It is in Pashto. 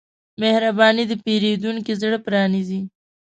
مهرباني د پیرودونکي زړه پرانیزي.